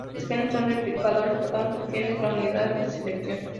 Los genes son replicadores y por tanto el gen es la unidad de selección.